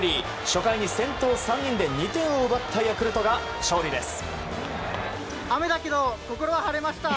初回に先頭３人で２点を奪ったヤクルトが勝利です。